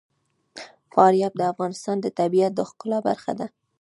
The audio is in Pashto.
فاریاب د افغانستان د طبیعت د ښکلا برخه ده.